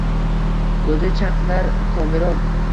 Ko’zi chaqnar komiron.